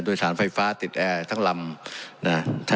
โดยสารไฟฟ้าติดแอร์ทั้งลำนะ